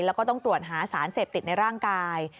แล้วก็ต้องตรวจหาสารเสพติดในร่างกาย